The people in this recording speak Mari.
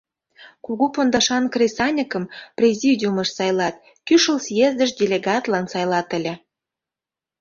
Кугу пондашан кресаньыкым президиумыш сайлат, кӱшыл съездыш делегатлан сайлат ыле.